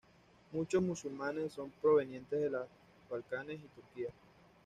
Muchos musulmanes son provenientes de los Balcanes y Turquía.